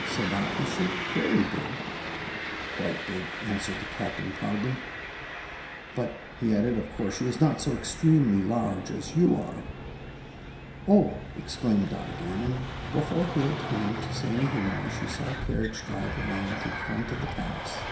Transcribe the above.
said Dot; "is she very big?" "Quite big," answered the Captain, proudly. "But," he added, "of course she is not so extremely large as you are." "Oh!" exclaimed Dot again, and before he had time to say anything more she saw a carriage drive around to the front of the palace.